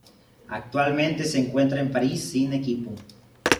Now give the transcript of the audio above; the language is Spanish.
Actualmente se encuentra en París sin equipo.